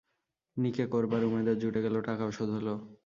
নিকে করবার উমেদার জুটে গেল, টাকাও শোধ হল।